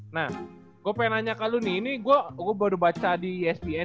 nah gue pengen nanya ke lo nih ini gue baru baca di espn